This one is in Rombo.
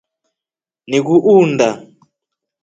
Mkuu unda.